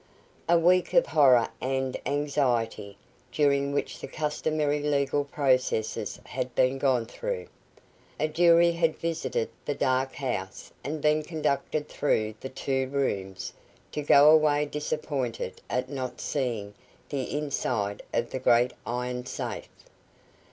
A week of horror and anxiety, during which the customary legal processes had been gone through. A jury had visited the Dark House and been conducted through the two rooms, to go away disappointed at not seeing the inside of the great iron safe.